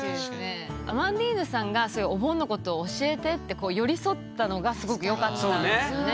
アマンディーヌさんがそういうお盆のこと教えてって寄り添ったのがすごくよかったんですよね